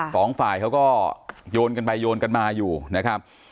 สองฝ่ายเขาก็โยนกันไปโยนกันมาอยู่นะครับ